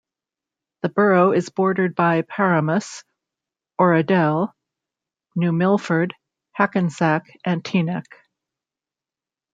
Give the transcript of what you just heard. The borough is bordered by Paramus, Oradell, New Milford, Hackensack and Teaneck.